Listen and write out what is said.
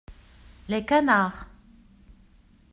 Les canards.